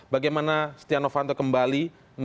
bagaimana stiano fanto kembali